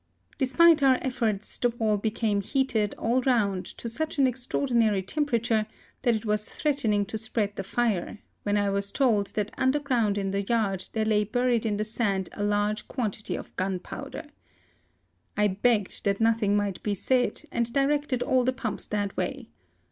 Despite our efforts the wall became heated all round to such an extraordinary tempera ture that it was threatening to spread the fire, when I was told that underground in the yard there lay buried in the sand a large quantity of gunpowder. I begged that nothing might be said, and directed all the pumps that way.